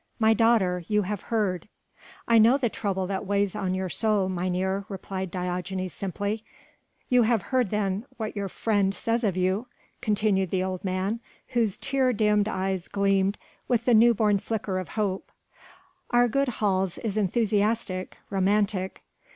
My daughter ... you have heard...?" "I know the trouble that weighs on your soul, mynheer," replied Diogenes simply. "You have heard then what your friend says of you?" continued the old man, whose tear dimmed eyes gleamed with the new born flicker of hope. "Our good Hals is enthusiastic, romantic